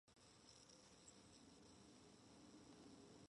In this novel we learn about the adult lives of both Louis and Marie.